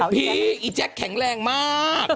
เห้ยแจ๊คแข็งแรงมาก